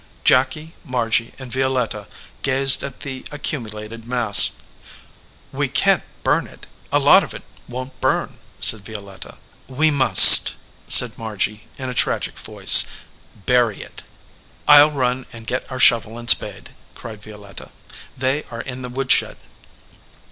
Jacky, Margy, and Violetta gazed at the accumulated mass. "We can t burn it. A lot of it won t burn," said Violetta. 39 EDGEWATER PEOPLE "We must," said Margy, in a tragic voice, "bury it." Til run and get our shovel and spade," cried Violetta. "They are in the woodshed."